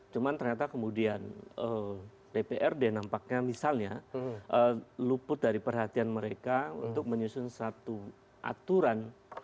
cuma ternyata kemudian dprd nampaknya misalnya luput dari perhatian mereka untuk menyusun satu aturan